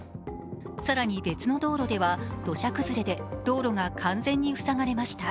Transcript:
更に、別の道路では土砂崩れで道路が完全にふさがれました。